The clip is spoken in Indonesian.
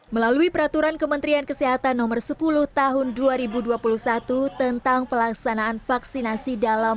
dua ribu dua puluh dua melalui peraturan kementerian kesehatan nomor sepuluh tahun dua ribu dua puluh satu tentang pelaksanaan vaksinasi dalam